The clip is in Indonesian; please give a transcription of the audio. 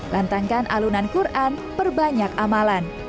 lantangkan alunan quran perbanyak amalan